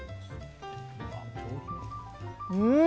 うん！